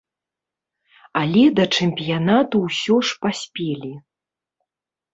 Але да чэмпіянату ўсё ж паспелі.